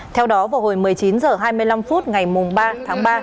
theo đó vào hồi một mươi chín h hai mươi năm phút ngày ba tháng ba